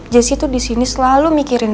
jessy tuh disini selalu mikirin rendy